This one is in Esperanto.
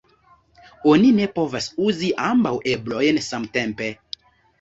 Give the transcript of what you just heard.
Oni ne povas uzi ambaŭ eblojn samtempe.